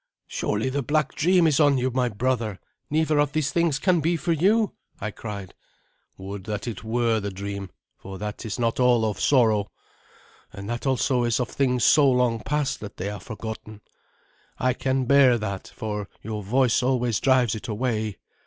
"Surely the black dream is on you, my brother! Neither of these things can be for you!" I cried. "Would that it were the dream, for that is not all of sorrow, and that also is of things so long past that they are forgotten. I can bear that, for your voice always drives it away.